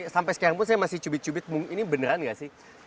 sampai sekarang pun saya masih cubit cubit ini beneran gak sih